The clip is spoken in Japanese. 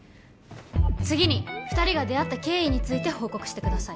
次に２人が出会った経緯について報告してください。